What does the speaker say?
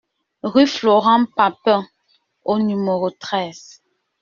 Rue Florent Papin au numéro treize